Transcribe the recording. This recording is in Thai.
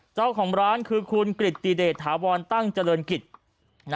เจ้าของร้านคือคุณกริตติเดชถาวรตั้งเจริญกิจ